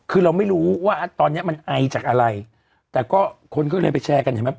คือเราไม่รู้ว่าตอนเนี้ยมันไอจากอะไรแต่ก็คนก็เลยไปแชร์กันเห็นไหม